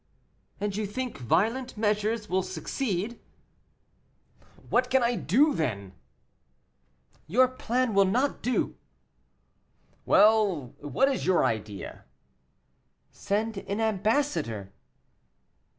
"And you think violent measures will succeed?" "What can I do, then?" "Your plan will not do." "Well, what is your idea?" "Send an ambassador."